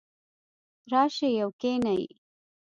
راشئ او کښېنئ